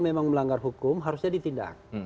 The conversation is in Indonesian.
memang melanggar hukum harusnya ditindak